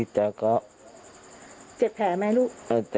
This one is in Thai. เจ็บแผลไหมลูก